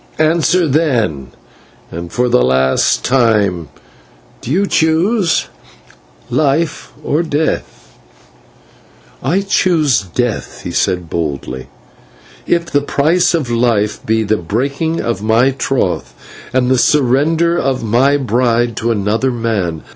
Answer then, and for the last time: Do you choose life or death?" "I choose death," he said, boldly, "if the price of life be the breaking of my troth and the surrender of my bride to another man.